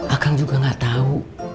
akang juga gak tau